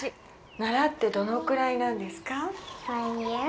習ってどのくらいなんですか？